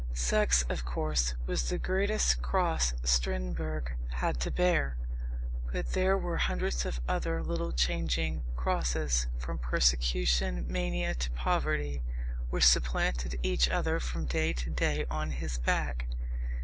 Sex, of course, was the greatest cross Strindberg had to bear. But there were hundreds of other little changing crosses, from persecution mania to poverty, which supplanted each other from day to day on his back.